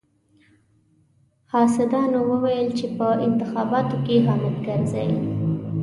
حاسدانو ويل چې په انتخاباتو کې حامد کرزي.